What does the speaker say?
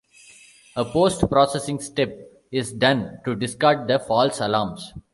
A post-processing step is done to discard the false alarms.